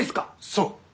そう！